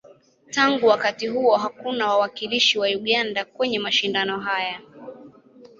Tangu wakati huo, hakuna wawakilishi wa Uganda kwenye mashindano haya.